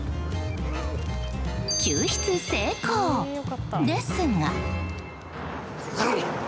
救出成功ですが。